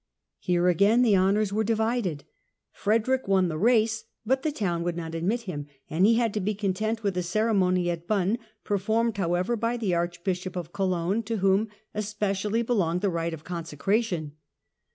Here again the honours were divided. Frederick won the race, but the town would not admit him, and he had to be content with a ceremony at Bonn, per formed, however, by the Archbishop of Cologne to whom especially belonged the right of consecration.